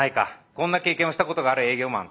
こんな経験をしたことがある営業マン